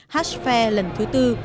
hatch fair lần thứ tư